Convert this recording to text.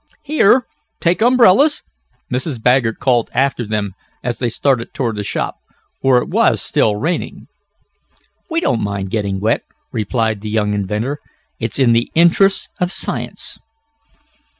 "Here, take umbrellas!" Mrs. Baggert called after them as they started toward the shop, for it was still raining. "We don't mind getting wet," replied the young inventor. "It's in the interests of science."